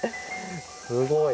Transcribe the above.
すごい！